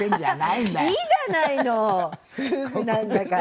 いいじゃないの夫婦なんだから。